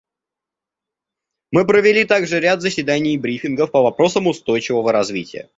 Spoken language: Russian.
Мы провели также ряд заседаний и брифингов по вопросам устойчивого развития.